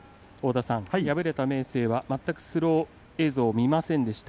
敗れた明生はスロー映像を見ませんでした。